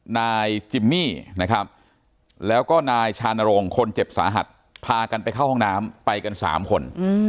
นายจิมมี่นะครับแล้วก็นายชานโรงคนเจ็บสาหัสพากันไปเข้าห้องน้ำไปกัน๓คน